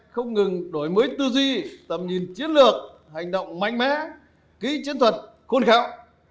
không ngừng đổi mới tư duy tầm nhìn chiến lược hành động mạnh mẽ ký chiến thuật khôn khảo